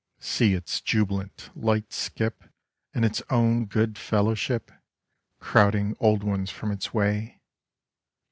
See its jubilant light skip And its own good fellowship, Crowding old ones from its way.